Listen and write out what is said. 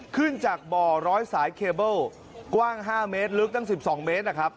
ขึ้นจากบ่อร้อยสายเคเบิ้ลกว้าง๕เมตรลึกตั้ง๑๒เมตรนะครับ